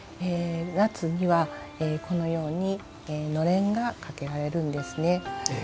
夏にはこのようにのれんがかけられるんですね。